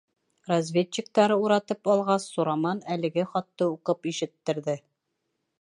Разведчиктары уратып алғас, Сураман әлеге хатты уҡып ишеттерҙе.